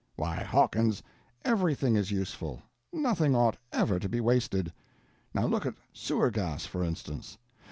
Why Hawkins, everything is useful—nothing ought ever to be wasted. Now look at sewer gas, for instance.